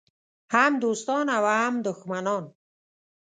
هم دوستان او هم دښمنان.